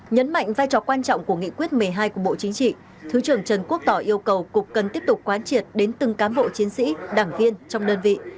nhấn mạnh vai trò quan trọng của nghị quyết một mươi hai của bộ chính trị thứ trưởng trần quốc tỏ yêu cầu cục cần tiếp tục quán triệt đến từng cán bộ chiến sĩ đảng viên trong đơn vị